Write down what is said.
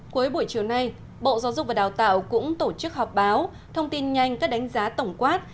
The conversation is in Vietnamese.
cuối buổi chiều nay bộ giáo dục và đào tạo cũng tổ chức họp báo thông tin nhanh các đánh giá tổng quát